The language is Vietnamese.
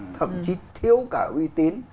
thậm chí thiếu cả uy tín